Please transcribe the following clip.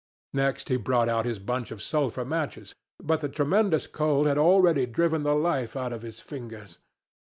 Next he brought out his bunch of sulphur matches. But the tremendous cold had already driven the life out of his fingers.